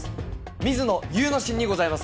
水野祐之進にございます。